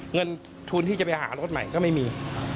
เงินทุนที่จะไปหารถใหม่ก็ไม่มี